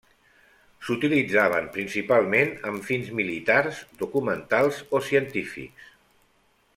S’utilitzaven principalment amb fins militars, documentals o científics.